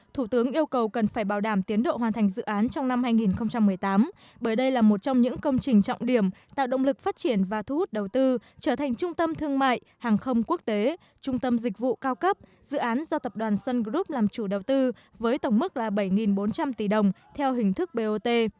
thủ tướng yêu cầu cần phải bảo đảm tiến độ hoàn thành dự án trong năm hai nghìn một mươi tám bởi đây là một trong những công trình trọng điểm tạo động lực phát triển và thu hút đầu tư trở thành trung tâm thương mại hàng không quốc tế trung tâm dịch vụ cao cấp dự án do tập đoàn sun group làm chủ đầu tư với tổng mức là bảy bốn trăm linh tỷ đồng theo hình thức bot